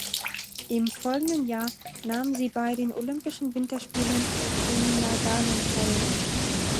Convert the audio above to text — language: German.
Im folgenden Jahr nahm sie bei den Olympischen Winterspielen in Nagano teil.